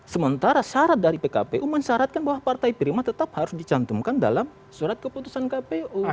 sementara syarat dari pkpu mensyaratkan bahwa partai prima tetap harus dicantumkan dalam surat keputusan kpu